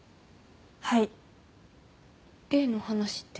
はい例の話って？